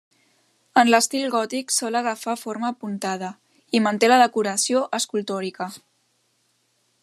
En l'estil gòtic sol agafar forma apuntada, i manté la decoració escultòrica.